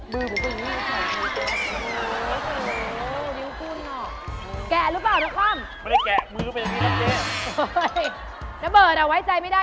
มือผมก็ยืนอยู่ข้างนี้